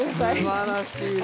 すばらしいです。